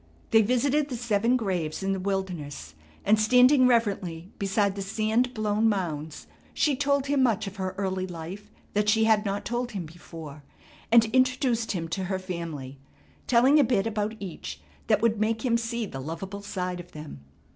They visited the seven graves in the wilderness, and standing reverently beside the sand blown mounds she told him much of her early life that she had not told him before, and introduced him to her family, telling a bit about each that would make him see the loveable side of them.